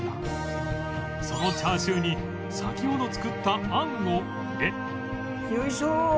そのチャーシューに先ほど作ったあんを入れよいしょ！